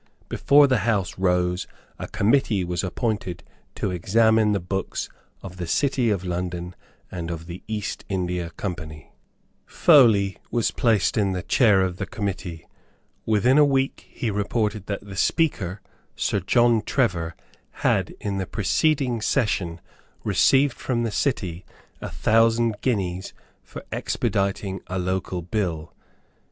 Before the House rose a committee was appointed to examine the books of the City of London and of the East India Company. Foley was placed in the chair of the committee. Within a week he reported that the Speaker, Sir John Trevor, had in the preceding session received from the City a thousand guineas for expediting a local bill.